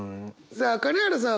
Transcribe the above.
さあ金原さん